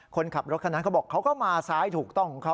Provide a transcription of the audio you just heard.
คนขับรถคันนั้นเขาบอกเขาก็มาซ้ายถูกต้องของเขา